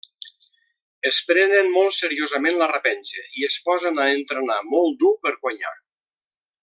Es prenen molt seriosament la revenja i es posen a entrenar molt dur per guanyar.